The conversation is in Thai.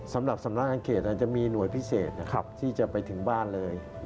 สำหรับสำนักงานเขตอาจจะมีหน่วยพิเศษนะครับที่จะไปถึงบ้านเลย